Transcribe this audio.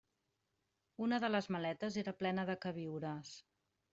Una de les maletes era plena de queviures.